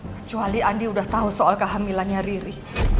kecuali andi udah tau soal kehamilannya riri